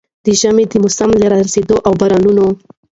د ژمي د موسم له را رسېدو او د بارانونو